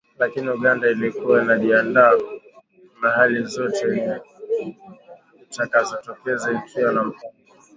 lakini Uganda ilikuwa inajiandaa na hali yoyote yenye itakayojitokeza ikiwa na mpango